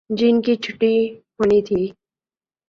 جن کی چھٹی ہونی تھی۔